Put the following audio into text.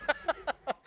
ハハハハ！